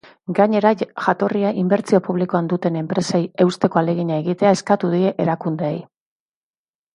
Gainera, jatorria inbertsio publikoan duten enpresei eusteko ahalegina egitea eskatu die erakundeei.